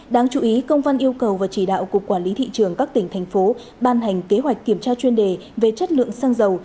đáng chú ý công văn yêu cầu và chỉ đạo cục quản lý thị trường các tỉnh thành phố ban hành kế hoạch kiểm tra chuyên đề về chất lượng xăng dầu